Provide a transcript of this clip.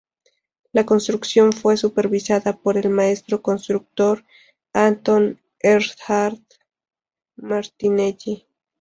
La construcción fue supervisada por el maestro constructor Anton Erhard Martinelli.